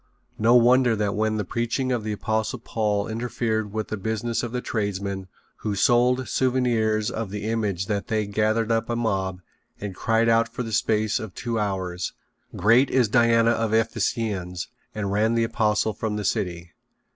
No wonder that when the preaching of the Apostle Paul interfered with the business of the tradesmen who sold souvenirs of the image that they gathered up a mob and cried out for the space of two hours: "Great is Diana of the Ephesians," and ran the apostle from the city.